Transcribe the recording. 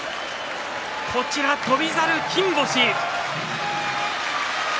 翔猿が金星。